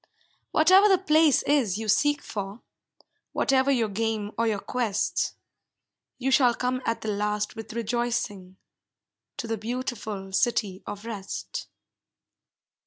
Whatever the place is you seek for, Whatever your game or your quest, You shall come at the last with rejoicing, To the beautiful City of Rest.